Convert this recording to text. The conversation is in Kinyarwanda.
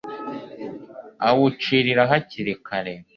awucirira hakiri kare